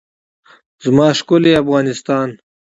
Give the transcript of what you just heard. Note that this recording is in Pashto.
زما ښکلی افغانستان.